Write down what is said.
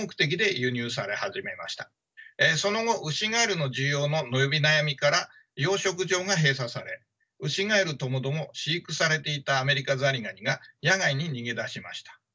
その後ウシガエルの需要の伸び悩みから養殖場が閉鎖されウシガエルともども飼育されていたアメリカザリガニが野外に逃げ出しました。